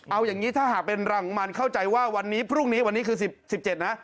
เอาอย่างนี้ถ้าหากเป็นรังมันเข้าใจว่าวันนี้พรุ่งนี้วันนี้คือ๑๗นะ